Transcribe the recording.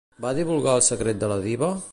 Va divulgar el secret de la diva?